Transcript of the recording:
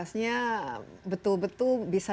sepertinya betul betul bisa